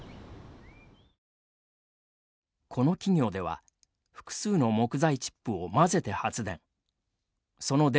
この企業では複数の木材チップを混ぜて発電。